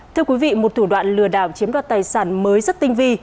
thưa quý vị một thủ đoạn lừa đảo chiếm đoạt tài sản mới rất tinh vi